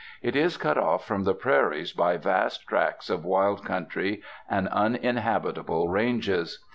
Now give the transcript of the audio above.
It is cut off from the prairies by vast tracts of wild country and uninhabitable ranges.